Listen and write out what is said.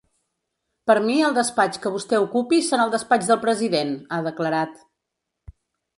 “Per mi el despatx que vostè ocupi serà el despatx del president”, ha declarat.